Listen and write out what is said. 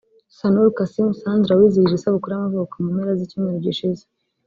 Sanura Kassim ’Sandra’ wizihije isabukuru y’amavuko mu mpera z’icyumweru gishize